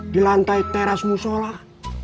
di lantai teras musholah